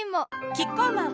キッコーマン